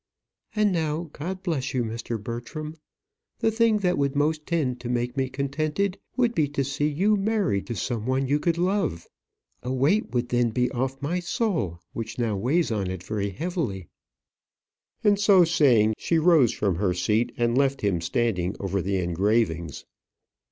"And now, God bless you, Mr. Bertram. The thing that would most tend to make me contented would be to see you married to some one you could love; a weight would then be off my soul which now weighs on it very heavily." And so saying, she rose from her seat and left him standing over the engravings.